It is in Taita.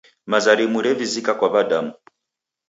Maza rimu revisika kwa w'adamu.